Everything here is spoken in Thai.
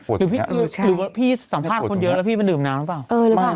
หรือว่าพี่สัมภาษณ์คนเยอะแล้วพี่มันดื่มน้ำหรือเปล่า